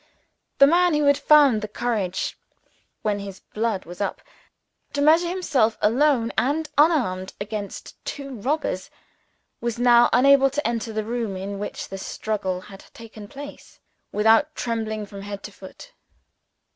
The man who had found the courage (when his blood was up) to measure himself alone and unarmed against two robbers, was now unable to enter the room in which the struggle had taken place, without trembling from head to foot.